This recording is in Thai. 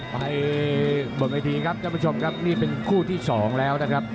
ไปบนเวทีครับท่านผู้ชมครับนี่เป็นคู่ที่สองแล้วนะครับ